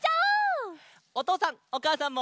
おとうさんおかあさんも。